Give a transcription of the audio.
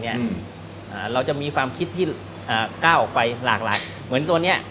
เนี้ยอืมอ่าเราจะมีความคิดที่อ่ากล้าออกไปหลากหลากเหมือนตัวเนี้ย